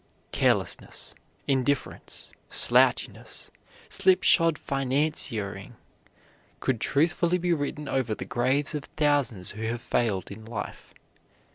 "Carelessness," "indifference," "slouchiness," "slipshod financiering," could truthfully be written over the graves of thousands who have failed in life.